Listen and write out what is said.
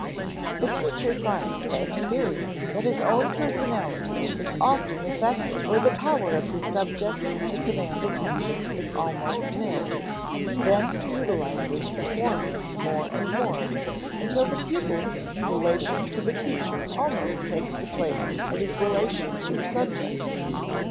The teacher finds by experience that his own personality is often effective where the power of the subject to command attention is almost nil; then he utilizes the former more and more, until the pupil's relation to the teacher almost takes the place of his relation to the subject.